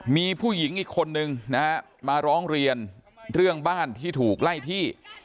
มีผู้หญิงอีกคนนึงนะฮะมาร้องเรียนเรื่องบ้านที่ถูกไล่ที่